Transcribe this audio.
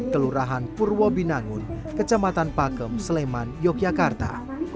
kelurahan purwobinangun kecamatan pakem sleman yogyakarta